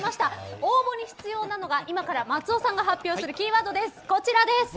応募に必要なのが今から松尾さんが発表するキーワードです。